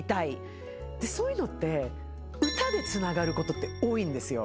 そういうのって歌でつながることって多いんですよ。